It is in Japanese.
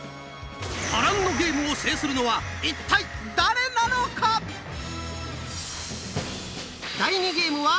波乱のゲームを制するのは一体誰なのか⁉頑張って！